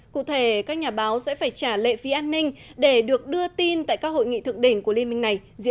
cụ thể các nhà báo sẽ phải trả lệ phí an ninh để được đưa tin tại các hội nghị thượng đỉnh của liên minh này